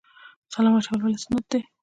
سلام اچول ولې سنت دي؟